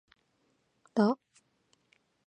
ら